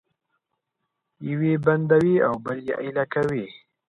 یو یې بندوي او بل یې ایله کوي